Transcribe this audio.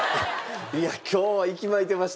いや今日は息巻いてましたよ。